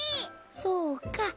そうか。